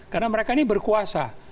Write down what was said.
karena mereka ini berkuasa